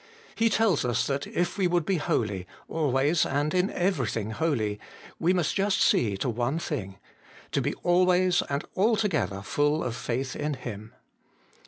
He tells us that if we would be holy, always and in everything holy, we must just see to one thing : to be always and altogether full of faith in Him.